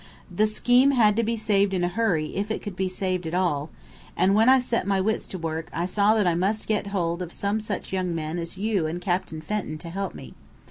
The scheme had to be saved in a hurry if it could be saved at all; and when I set my wits to work I saw that I must get hold of some such young men as you and Captain Fenton to help me.